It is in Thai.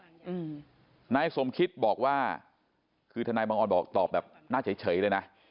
อืมนายสมคิตบอกว่าคือทนายบังออนบอกตอบแบบหน้าเฉยเฉยเลยนะ